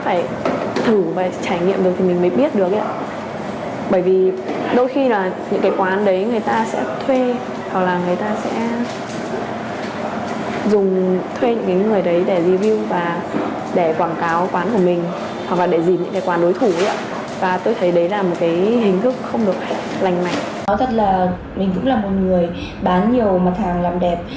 nói thật là mình cũng là một người bán nhiều mặt hàng làm đẹp